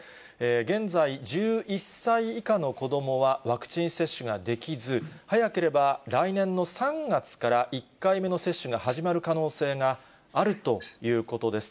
現在１１歳以下の子どもはワクチン接種ができず、早ければ来年の３月から１回目の接種が始まる可能性があるということです。